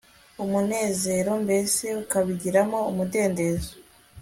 umunezero mbese ukabigiramo umudendezo